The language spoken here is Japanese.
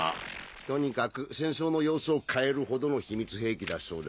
とにかく戦争の様子を変えるほどの秘密兵器だそうだ。